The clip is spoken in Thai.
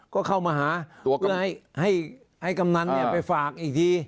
ก็เข้ามาหาเพื่อให้กำนันไปฝากอีกที